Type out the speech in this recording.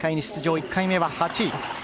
１回目は８位。